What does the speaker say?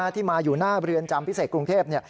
ที่มาอยู่หน้าเรือนจำพิเศษกรุงเทพ